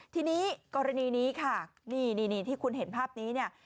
ทีนี้กรณีนี้ค่ะนี่ที่คุณเห็นภาพนี้เนี่ย